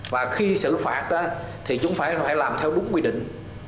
và khi xử phạt thì chúng phải làm theo đúng quy định